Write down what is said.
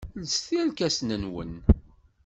Lset irkasen-nwen.